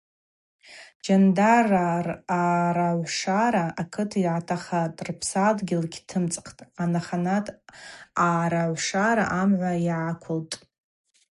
Джьандарргӏа ръарагӏвшара акыт йгӏатахатӏ, р-Псадгьыл йгьтымцӏтӏ, анахьани аъарагӏвшара мгӏва йгӏаквылтӏ.